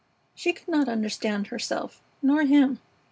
She could not understand herself nor him.